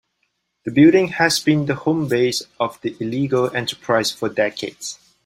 The building has been the home base of the illegal enterprise for decades.